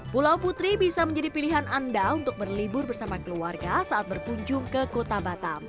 pulau putri bisa menjadi pilihan anda untuk berlibur bersama keluarga saat berkunjung ke kota batam